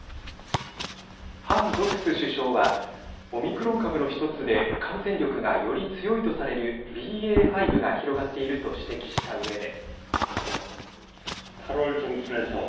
ハン・ドクス首相はオミクロン株の１つで感染力がより強いとされるＢＡ．５が広がっていると指摘したうえで。